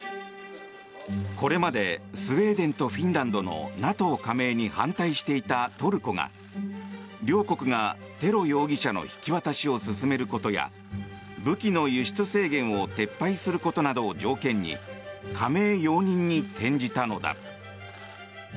これまでスウェーデンとフィンランドのＮＡＴＯ加盟に反対していたトルコが両国がテロ容疑者の引き渡しを進めることや武器の輸出制限を撤廃することなどを条件に加盟容認に転じたのだ。